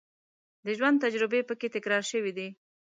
د ژوند تجربې په کې تکرار شوې دي.